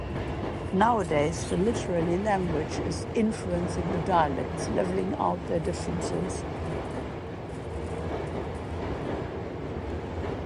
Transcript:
Nowadays the literary language is influencing the dialects, levelling out their differences.